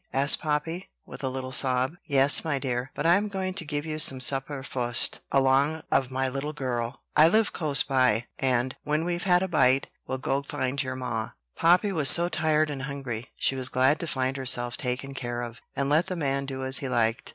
asked Poppy, with a little sob. "Yes, my dear; but I am going to give you some supper fust, along of my little girl. I live close by; and, when we've had a bite, we'll go find your ma." Poppy was so tired and hungry, she was glad to find herself taken care of, and let the man do as he liked.